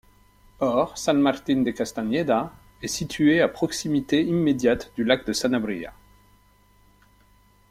Or San Martín de Castañeda est situé à proximité immédiate du lac de Sanabria.